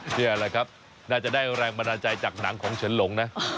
เพื่ออะไรครับน่าจะได้แรงบันดาลใจจากหนังของเฉินหลงนะ